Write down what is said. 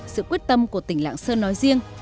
sự quyết tâm của tỉnh nạng sơn nói riêng